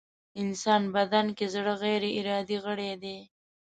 انسان بدن کې زړه غيري ارادې غړی دی.